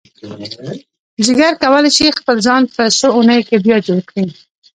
جگر کولی شي خپل ځان په څو اونیو کې بیا جوړ کړي.